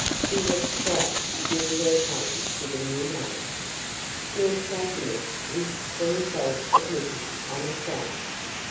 (She had quite schooled her tongue to the new name.) "Your 'shakiness' is the result of 'nipping', I'm afraid."